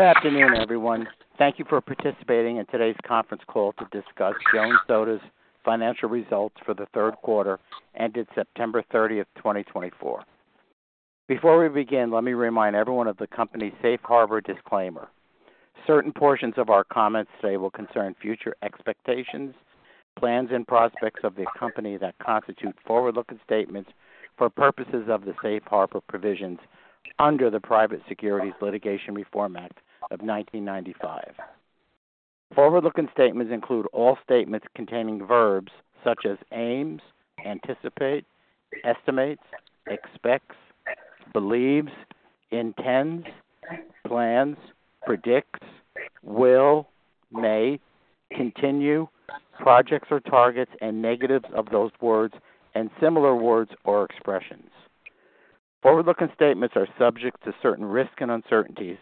Good afternoon, everyone. Thank you for participating in today's Conference Call to discuss Jones Soda's financial results for third quarter ended September 30th, 2024. Before we begin, let me remind everyone of the company's safe harbor disclaimer. Certain portions of our comments today will concern future expectations, plans, and prospects of the company that constitute forward-looking statements for purposes of the Safe Harbor provisions under the Private Securities Litigation Reform Act of 1995. Forward-looking statements include all statements containing verbs such as aims, anticipate, estimates, expects, believes, intends, plans, predicts, will, may, continue, projects or targets, and negatives of those words and similar words or expressions. Forward-looking statements are subject to certain risks and uncertainties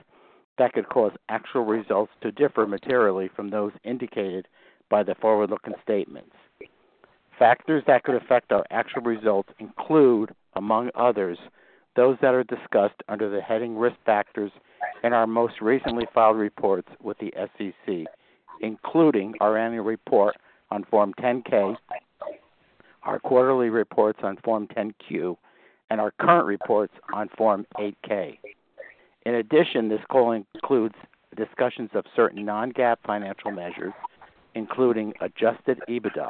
that could cause actual results to differ materially from those indicated by the forward-looking statements. Factors that could affect our actual results include, among others, those that are discussed under the heading Risk Factors in our most recently filed reports with the SEC, including our Annual Report on Form 10-K, our Quarterly Reports on Form 10-Q, and our current reports on Form 8-K. In addition, this call includes discussions of certain non-GAAP financial measures, including adjusted EBITDA.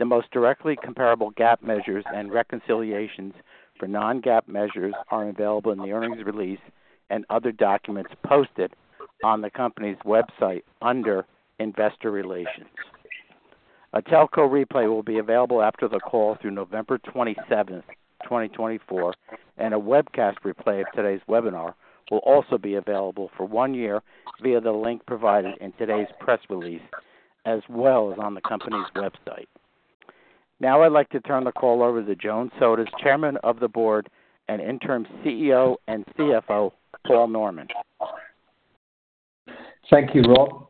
The most directly comparable GAAP measures and reconciliations for non-GAAP measures are available in the earnings release and other documents posted on the company's website under Investor Relations. A telco replay will be available after the call through November 27th, 2024, and a webcast replay of today's webinar will also be available for one year via the link provided in today's press release, as well as on the company's website. Now I'd like to turn the call over to Jones Soda's Chairman of the Board and Interim CEO and CFO, Paul Norman. Thank you, Rob,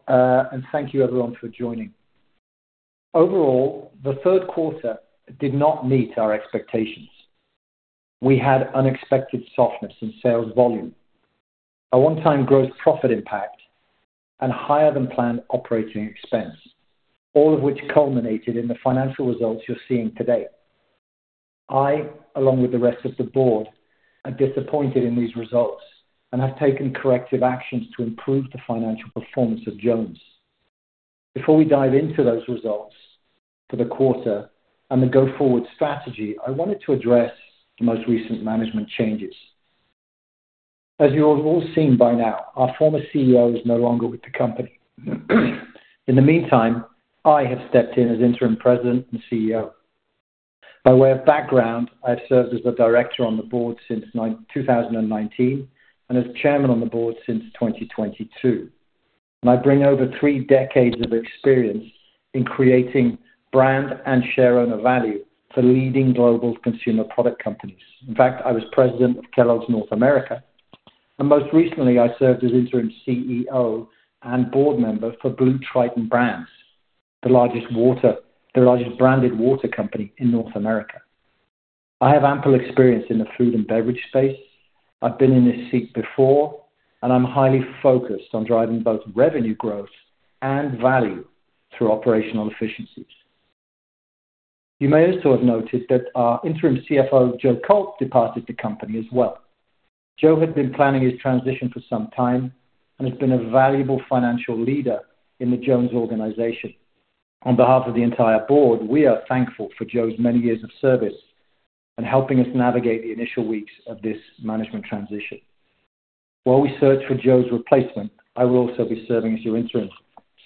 and thank you, everyone, for joining. Overall, third quarter did not meet our expectations. We had unexpected softness in sales volume, a one-time gross profit impact, and higher than planned operating expense, all of which culminated in the financial results you're seeing today. I, along with the rest of the board, are disappointed in these results and have taken corrective actions to improve the financial performance of Jones. Before we dive into those results for the quarter and the go-forward strategy, I wanted to address the most recent management changes. As you've all seen by now, our former CEO is no longer with the company. In the meantime, I have stepped in as Interim President and CEO. By way of background, I've served as the Director on the Board since 2019 and as Chairman on the Board since 2022. And I bring over three decades of experience in creating brand and shareholder value for leading global consumer product companies. In fact, I was President of Kellogg's North America, and most recently, I served as Interim CEO and board member for BlueTriton Brands, the largest branded water company in North America. I have ample experience in the food and beverage space. I've been in this seat before, and I'm highly focused on driving both revenue growth and value through operational efficiencies. You may also have noted that our Interim CFO, Joe Culp, departed the company as well. Joe had been planning his transition for some time and has been a valuable financial leader in the Jones organization. On behalf of the entire board, we are thankful for Joe's many years of service and helping us navigate the initial weeks of this management transition. While we search for Joe's replacement, I will also be serving as your Interim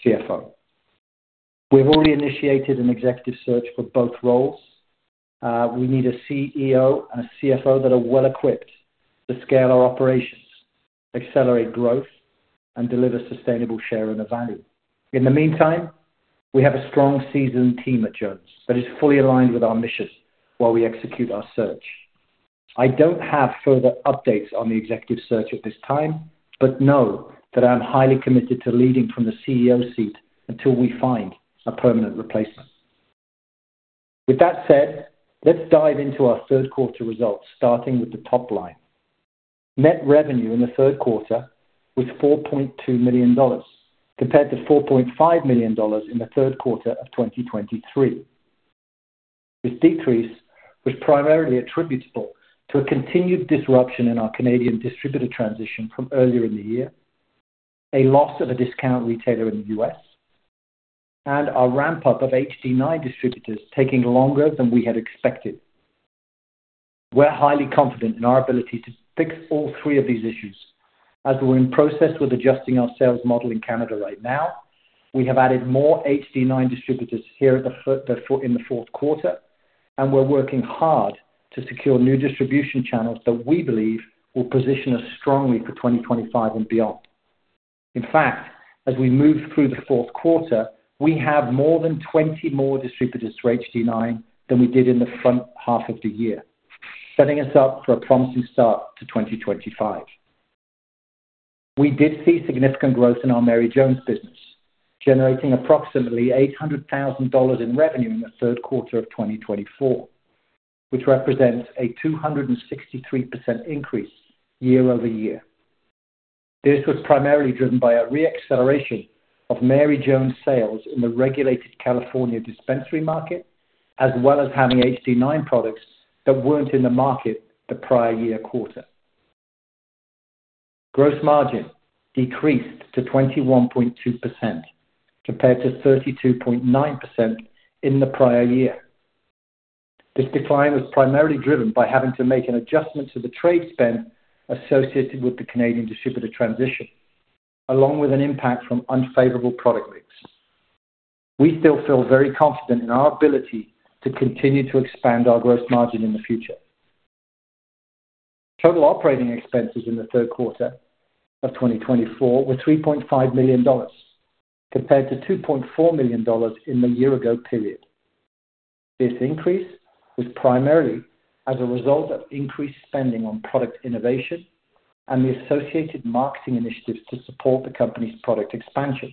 CFO. We have already initiated an executive search for both roles. We need a CEO and a CFO that are well-equipped to scale our operations, accelerate growth, and deliver sustainable shareholder value. In the meantime, we have a strong seasoned team at Jones that is fully aligned with our mission while we execute our search. I don't have further updates on the executive search at this time, but know that I'm highly committed to leading from the CEO seat until we find a permanent replacement. With that said, let's dive into third quarter results, starting with the top line. Net revenue in third quarter was $4.2 million compared to $4.5 million in third quarter of 2023. This decrease was primarily attributable to a continued disruption in our Canadian distributor transition from earlier in the year, a loss of a discount retailer in the U.S., and our ramp-up of HD9 distributors taking longer than we had expected. We're highly confident in our ability to fix all three of these issues. As we're in process with adjusting our sales model in Canada right now, we have added more HD9 distributors here in the fourth quarter, and we're working hard to secure new distribution channels that we believe will position us strongly for 2025 and beyond. In fact, as we move through the fourth quarter, we have more than 20 more distributors for HD9 than we did in the front half of the year, setting us up for a promising start to 2025. We did see significant growth in our Mary Jones business, generating approximately $800,000 in revenue in third quarter of 2024, which represents a 263% increase year over year. This was primarily driven by a reacceleration of Mary Jones sales in the regulated California dispensary market, as well as having HD9 products that weren't in the market the prior year quarter. Gross margin decreased to 21.2% compared to 32.9% in the prior year. This decline was primarily driven by having to make an adjustment to the trade spend associated with the Canadian distributor transition, along with an impact from unfavorable product mix. We still feel very confident in our ability to continue to expand our gross margin in the future. Total operating expenses in third quarter of 2024 were $3.5 million compared to $2.4 million in the year-ago period. This increase was primarily as a result of increased spending on product innovation and the associated marketing initiatives to support the company's product expansion.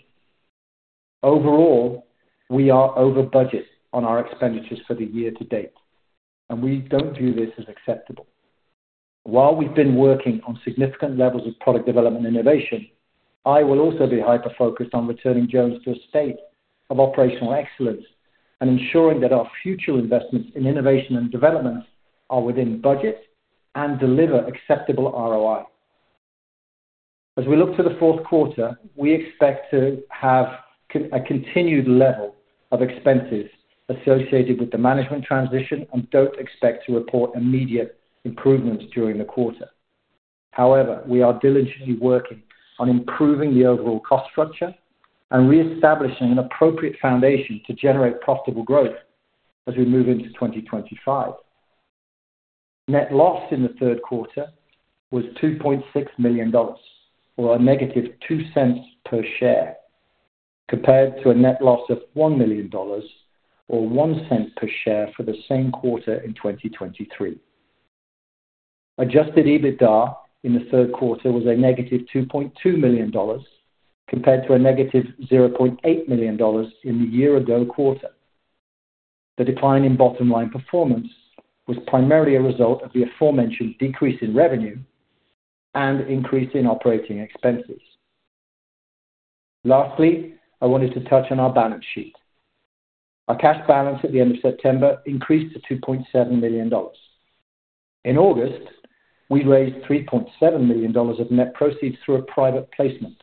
Overall, we are over budget on our expenditures for the year to date, and we don't view this as acceptable. While we've been working on significant levels of product development innovation, I will also be hyper-focused on returning Jones to a state of operational excellence and ensuring that our future investments in innovation and development are within budget and deliver acceptable ROI. As we look to the fourth quarter, we expect to have a continued level of expenses associated with the management transition and don't expect to report immediate improvements during the quarter. However, we are diligently working on improving the overall cost structure and reestablishing an appropriate foundation to generate profitable growth as we move into 2025. Net loss in third quarter was $2.6 million, or a negative $0.02 per share, compared to a net loss of $1 million or $0.01 per share for the same quarter in 2023. Adjusted EBITDA in third quarter was a negative $2.2 million compared to a negative $0.8 million in the year-ago quarter. The decline in bottom-line performance was primarily a result of the aforementioned decrease in revenue and increase in operating expenses. Lastly, I wanted to touch on our balance sheet. Our cash balance at the end of September increased to $2.7 million. In August, we raised $3.7 million of net proceeds through a private placement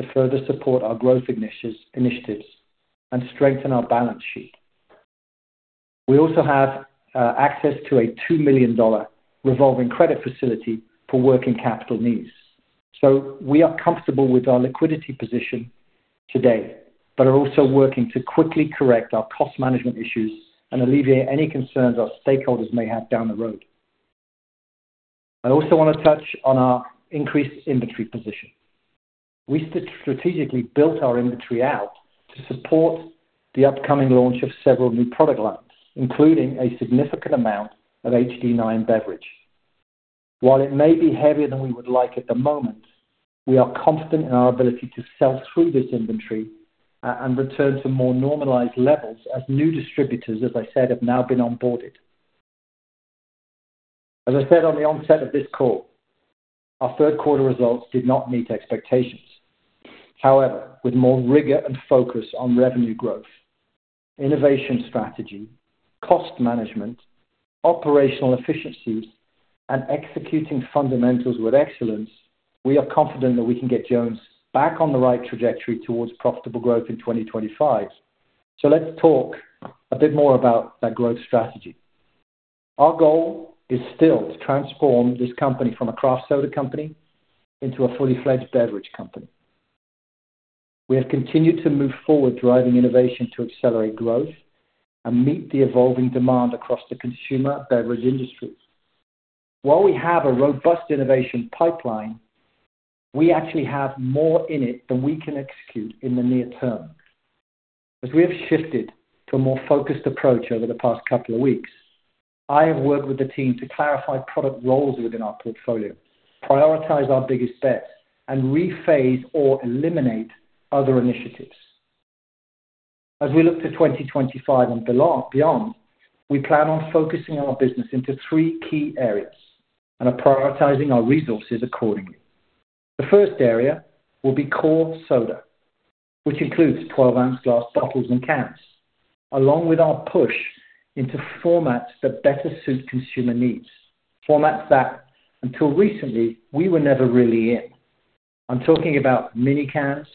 to further support our growth initiatives and strengthen our balance sheet. We also have access to a $2 million revolving credit facility for working capital needs. So we are comfortable with our liquidity position today but are also working to quickly correct our cost management issues and alleviate any concerns our stakeholders may have down the road. I also want to touch on our increased inventory position. We strategically built our inventory out to support the upcoming launch of several new product lines, including a significant amount of HD9 beverage. While it may be heavier than we would like at the moment, we are confident in our ability to sell through this inventory and return to more normalized levels as new distributors, as I said, have now been onboarded. As I said on the onset of this call, our third-quarter results did not meet expectations. However, with more rigor and focus on revenue growth, innovation strategy, cost management, operational efficiencies, and executing fundamentals with excellence, we are confident that we can get Jones back on the right trajectory towards profitable growth in 2025. So let's talk a bit more about that growth strategy. Our goal is still to transform this company from a craft soda company into a full-fledged beverage company. We have continued to move forward, driving innovation to accelerate growth and meet the evolving demand across the consumer beverage industry. While we have a robust innovation pipeline, we actually have more in it than we can execute in the near term. As we have shifted to a more focused approach over the past couple of weeks, I have worked with the team to clarify product roles within our portfolio, prioritize our biggest bets, and rephase or eliminate other initiatives. As we look to 2025 and beyond, we plan on focusing our business into three key areas and prioritizing our resources accordingly. The first area will be core soda, which includes 12-ounce glass bottles and cans, along with our push into formats that better suit consumer needs, formats that until recently, we were never really in. I'm talking about mini cans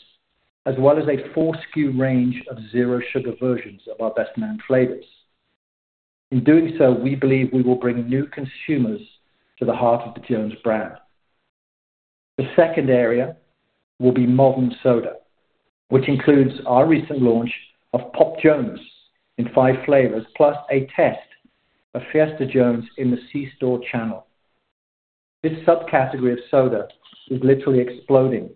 as well as a four-SKU range of zero-sugar versions of our best-known flavors. In doing so, we believe we will bring new consumers to the heart of the Jones brand. The second area will be modern soda, which includes our recent launch of Pop Jones in five flavors, plus a test of Fiesta Jones in the C-store channel. This subcategory of soda is literally exploding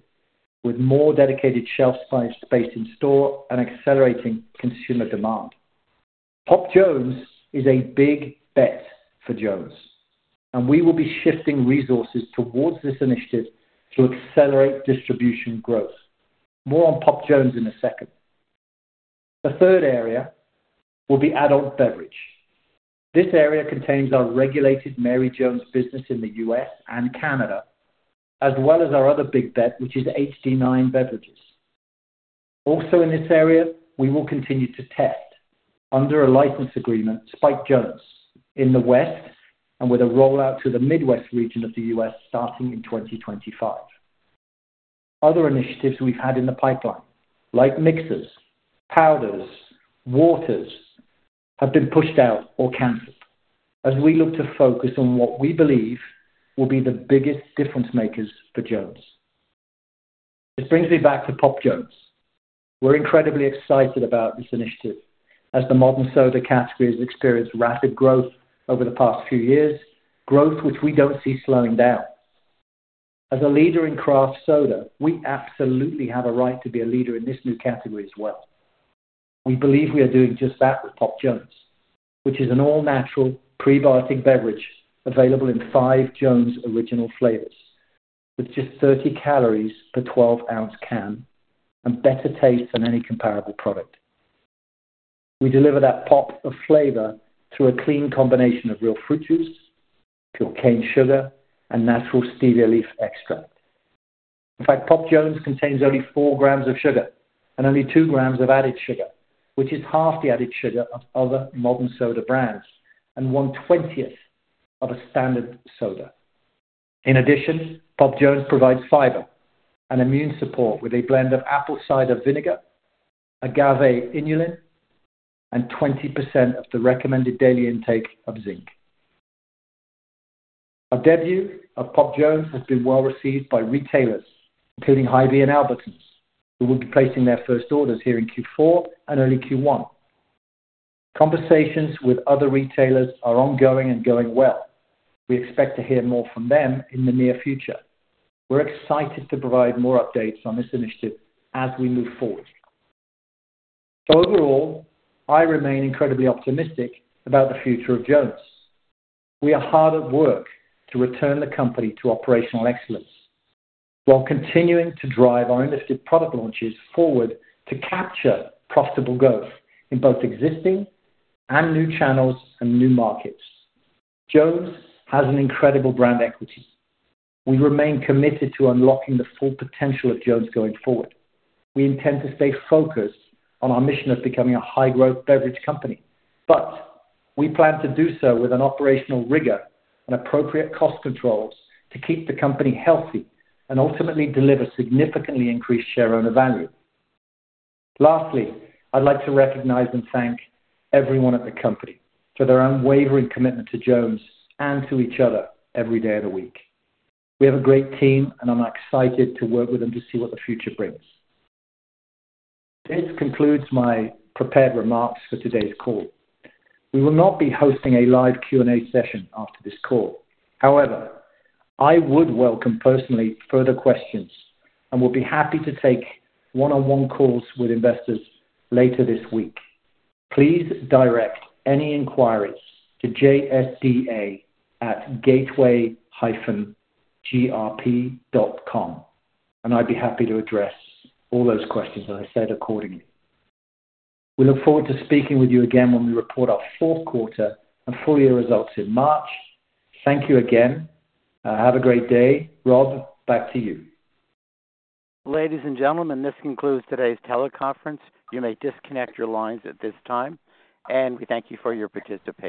with more dedicated shelf space in store and accelerating consumer demand. Pop Jones is a big bet for Jones, and we will be shifting resources towards this initiative to accelerate distribution growth. More on Pop Jones in a second. The third area will be adult beverage. This area contains our regulated Mary Jones business in the U.S. and Canada, as well as our other big bet, which is HD9 beverages. Also in this area, we will continue to test under a license agreement, Spiked Jones, in the West and with a rollout to the Midwest region of the U.S. starting in 2025. Other initiatives we've had in the pipeline, like mixers, powders, waters, have been pushed out or canceled as we look to focus on what we believe will be the biggest difference-makers for Jones. This brings me back to Pop Jones. We're incredibly excited about this initiative as the modern soda category has experienced rapid growth over the past few years, growth which we don't see slowing down. As a leader in craft soda, we absolutely have a right to be a leader in this new category as well. We believe we are doing just that with Pop Jones, which is an all-natural prebiotic beverage available in five Jones original flavors with just 30 calories per 12-ounce can and better taste than any comparable product. We deliver that pop of flavor through a clean combination of real fruit juice, pure cane sugar, and natural stevia leaf extract. In fact, Pop Jones contains only four grams of sugar and only two grams of added sugar, which is half the added sugar of other modern soda brands and one-twentieth of a standard soda. In addition, Pop Jones provides fiber and immune support with a blend of apple cider vinegar, agave inulin, and 20% of the recommended daily intake of zinc. Our debut of Pop Jones has been well received by retailers, including Hy-Vee and Albertsons, who will be placing their first orders here in Q4 and early Q1. Conversations with other retailers are ongoing and going well. We expect to hear more from them in the near future. We're excited to provide more updates on this initiative as we move forward. Overall, I remain incredibly optimistic about the future of Jones. We are hard at work to return the company to operational excellence while continuing to drive our unlisted product launches forward to capture profitable growth in both existing and new channels and new markets. Jones has an incredible brand equity. We remain committed to unlocking the full potential of Jones going forward. We intend to stay focused on our mission of becoming a high-growth beverage company, but we plan to do so with an operational rigor and appropriate cost controls to keep the company healthy and ultimately deliver significantly increased shareholder value. Lastly, I'd like to recognize and thank everyone at the company for their unwavering commitment to Jones and to each other every day of the week. We have a great team, and I'm excited to work with them to see what the future brings. This concludes my prepared remarks for today's call. We will not be hosting a live Q&A session after this call. However, I would welcome personally further questions and will be happy to take one-on-one calls with investors later this week. Please direct any inquiries to jsda@gateway-grp.com, and I'd be happy to address all those questions, as I said, accordingly. We look forward to speaking with you again when we report our fourth quarter and full-year results in March. Thank you again. Have a great day. Rob, back to you. Ladies and gentlemen, this concludes today's teleconference. You may disconnect your lines at this time, and we thank you for your participation.